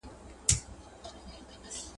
د کورنۍ غړي یو بل ته نږدې کوي.